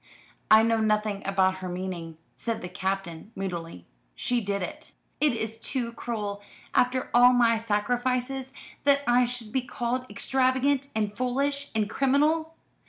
"I know nothing about her meaning," said the Captain moodily. "She did it." "It is too cruel, after all my sacrifices, that I should be called extravagant and foolish and criminal.